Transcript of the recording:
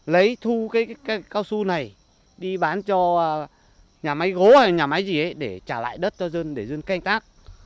lấy thu cái cao su này đi bán cho nhà máy gỗ hay nhà máy gì để trả lại đất cho dân để dân canh tác